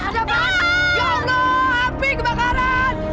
ya allah api kebakaran